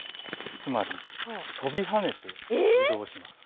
つまり跳びはねて移動します。